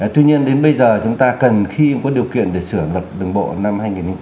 tuy nhiên đến bây giờ chúng ta cần khi có điều kiện để sửa luật đường bộ năm hai nghìn bốn